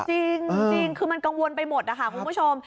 จริงคือมันกังวลไปหมดนะคะคุณผู้ชม